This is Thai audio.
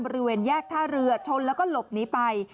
บริเวณแยกท่าเรือชนแล้วก็หลบหนีไป